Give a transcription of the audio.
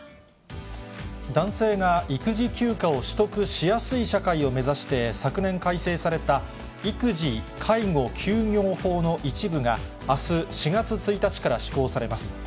男性が育児休暇を取得しやすい社会を目指して、昨年改正された、育児・介護休業法の一部があす４月１日から施行されます。